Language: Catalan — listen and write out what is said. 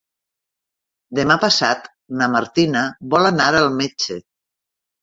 Demà passat na Martina vol anar al metge.